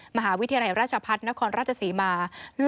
มหาวิทยาลัยราชพัฒนครราชศรีมา